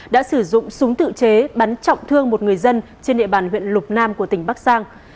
đã sử dụng súng tự chế bắn trọng thương một người dân trên địa bàn huyện lục nam của tỉnh bắc giang